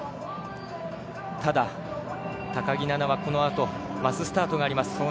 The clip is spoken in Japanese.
ただ、高木菜那はこのあとマススタートがあります。